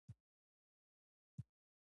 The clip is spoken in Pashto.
باسواده ښځې د ټولنې لپاره الګو دي.